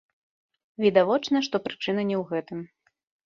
Відавочна, што прычына не ў гэтым.